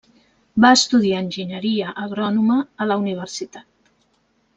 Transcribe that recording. Va estudiar enginyeria agrònoma a la universitat.